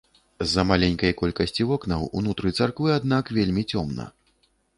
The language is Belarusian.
З-за маленькай колькасці вокнаў, унутры царквы, аднак, вельмі цёмна.